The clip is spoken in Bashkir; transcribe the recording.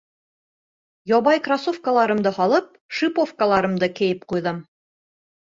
Ябай кроссовкаларымды һалып, шиповкаларымды кейеп ҡуйҙым.